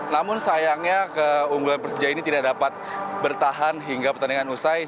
namun sayangnya keunggulan persija ini tidak dapat bertahan hingga pertandingan usai